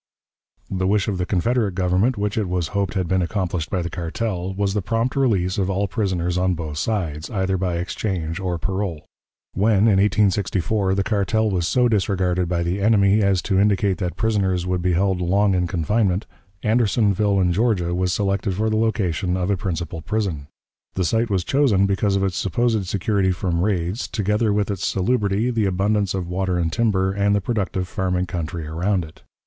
The wish of the Confederate Government, which it was hoped had been accomplished by the cartel, was the prompt release of all prisoners on both sides, either by exchange or parole. When, in 1864, the cartel was so disregarded by the enemy as to indicate that prisoners would be held long in confinement, Andersonville, in Georgia, was selected for the location of a principal prison. The site was chosen because of its supposed security from raids, together with its salubrity, the abundance of water and timber, and the productive farming country around it.